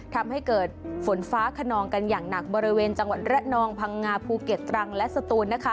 ทำให้เกิดฝนฟ้าขนองกันอย่างหนักบริเวณจังหวัดระนองพังงาภูเก็ตตรังและสตูน